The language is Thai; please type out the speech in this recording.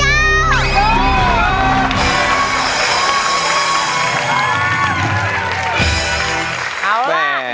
คุณยายแดงคะทำไมต้องซื้อลำโพงและเครื่องเสียง